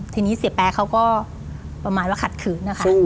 ทีนี้เสียแป๊เขาก็ประมาณว่าขัดขืนนะคะ